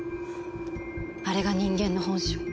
あれが人間の本性。